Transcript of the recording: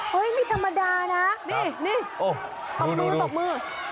เฮ้ยไม่ธรรมดานะนี่นี่ดอกมือดอกมือ